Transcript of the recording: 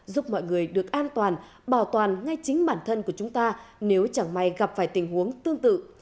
giúp mọi người được an toàn bảo toàn ngay chính bản thân của chúng ta nếu chẳng may gặp phải tình huống tương tự